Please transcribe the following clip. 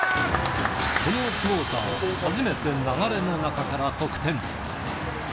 このクオーター、初めて流れの中から得点。